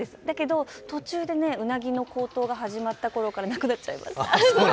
途中でうなぎの高騰が始まったころからなくなっちゃいました。